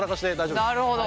なるほど。